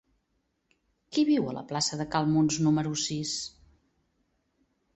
Qui viu a la plaça de Cal Muns número sis?